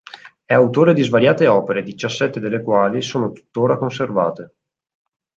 È autore di svariate opere, diciassette delle quali sono tuttora conservate.